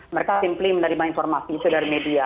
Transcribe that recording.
mereka simply menerima informasi itu dari media